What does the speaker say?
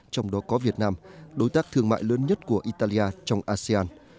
trong đó có việt nam đối tác thương mại lớn nhất của italia trong asean